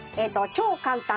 超簡単！